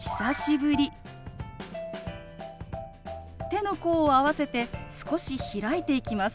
手の甲を合わせて少し開いていきます。